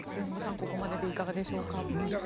ここまででいかがでしょうか。